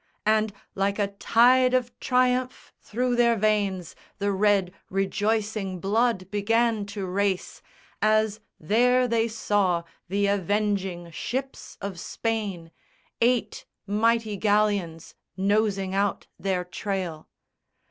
And like a tide of triumph through their veins The red rejoicing blood began to race As there they saw the avenging ships of Spain, Eight mighty galleons, nosing out their trail.